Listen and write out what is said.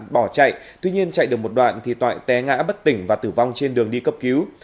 bỏ chạy tuy nhiên chạy được một đoạn thì toại té ngã bất tỉnh và tử vong trên đường đi cấp cứu